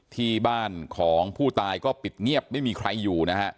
ที่บ้านของผู้ตายก็ปิดเงียบไม่มีใครอยู่นะฮะ